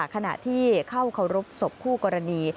ขณะที่เข้าเคารพศพคู่กรณี